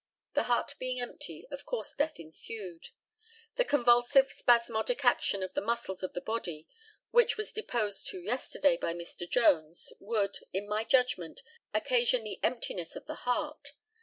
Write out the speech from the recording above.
The heart being empty, of course death ensued. The convulsive spasmodic action of the muscles of the body, which was deposed to yesterday by Mr. Jones, would, in my judgment, occasion the emptiness of the heart.